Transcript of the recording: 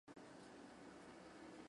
总部位于圣彼得堡。